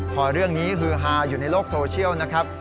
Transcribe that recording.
พอเรื่องนี้ฮือฮาอยู่ในโลกโซเชียลนะครับ